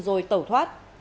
rồi tẩu thoát